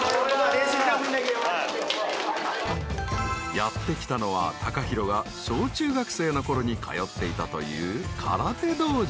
［やって来たのはＴＡＫＡＨＩＲＯが小中学生のころに通っていたという空手道場］